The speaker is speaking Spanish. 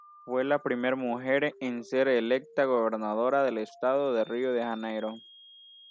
Fue la primera mujer en ser electa gobernadora del estado de Río de Janeiro.